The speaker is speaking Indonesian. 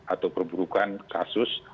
atau perburukan kasus